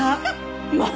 まあ！